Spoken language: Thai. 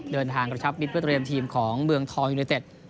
เดินทางกระชับมิตรเพื่อเตรียมทีมของเมืองทองยูเนเต็ด